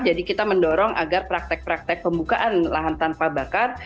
jadi kita mendorong agar praktek praktek pembukaan lahan tanpa bakar